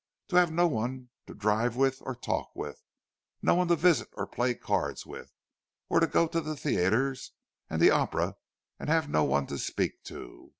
To have no one to drive with or talk with, no one to visit or play cards with—to go to the theatre and the opera and have no one to speak to!